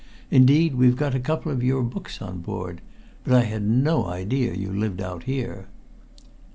Indeed, we've got a couple of your books on board. But I had no idea you lived out here."